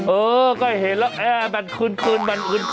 เออก็เห็นแล้วแอร์มันคืนมันคืน